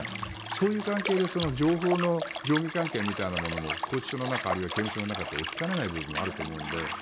そういう関係で情報の上下関係みたいなものも拘置所の中あるいは刑務所の中って起きかねないと思うので。